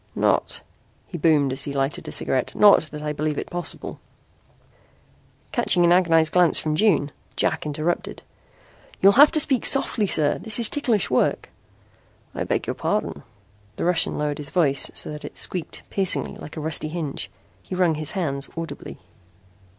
"Not," he boomed as he lighted a cigarette, "not that I believe it possible " Catching an agonized glance from Jane, Jack interrupted: "You'll have to speak softly, sir. This is ticklish work." "I beg your pardon." The Russian lowered his voice so that it squeaked piercingly like a rusty hinge. He wrung his hands audibly.